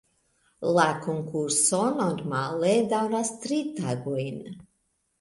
La konkurso normale daŭras tri tagojn.